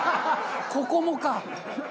ここもか！